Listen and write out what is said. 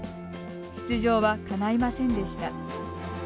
出場は、かないませんでした。